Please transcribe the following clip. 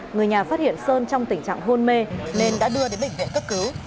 người nhà phát hiện sơn trong tình trạng hôn mê nên đã đưa đến bệnh viện cấp cứu